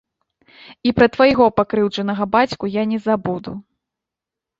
І пра твайго пакрыўджанага бацьку я не забуду.